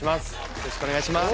よろしくお願いします